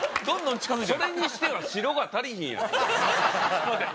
すみません。